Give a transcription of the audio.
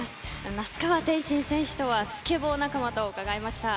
那須川天心選手とはスケボー仲間と伺いました。